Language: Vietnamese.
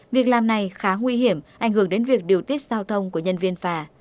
việc làm này khá nguy hiểm ảnh hưởng đến việc điều tiết giao thông của nhân viên phà